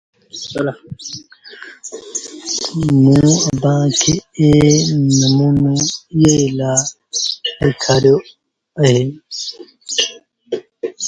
موٚنٚ اڀآنٚ کي ايٚ نموݩو ايٚئي لآ ڏيکآريو اهي